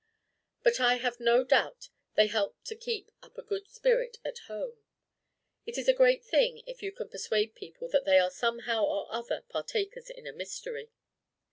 But I have no doubt they help to keep up a good spirit at home. It is a great thing if you can persuade people that they are somehow or other partakers in a mystery.